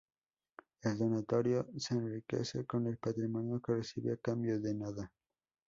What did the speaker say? El donatario se enriquece con el patrimonio que recibe a cambio de nada.